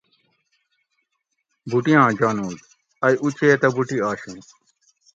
بوٹیاں جانوگ:- ائ اوچیت اۤ بوٹی آشیں